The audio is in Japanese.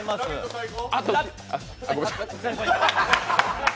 最高！